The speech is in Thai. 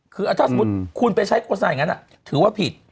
คือถ้าสมมุติคุณไปใช้โฆษณาอย่างนั้นถือว่าผิด